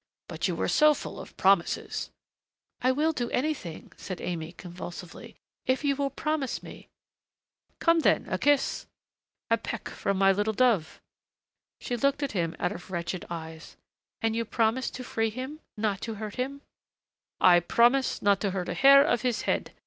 But you were so full of promises " "I will do anything," said Aimée, convulsively, "if you will promise me " "Come, then a kiss. A peck from my little dove." She looked at him out of wretched eyes. "And you promise to free him, not to hurt him " "I promise not to hurt a hair of his head.